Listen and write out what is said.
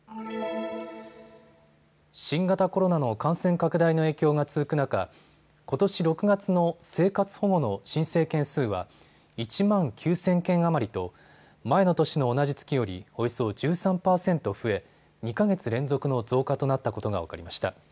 新型コロナの感染拡大の影響が続く中、ことし６月の生活保護の申請件数は１万９０００件余りと前の年の同じ月よりおよそ１３％増え２か月連続の増加となったことが分かりました。